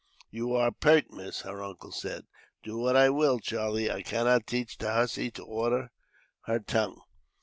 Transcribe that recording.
"You are pert, miss," her uncle said. "Do what I will, Charlie, I cannot teach the hussy to order her tongue."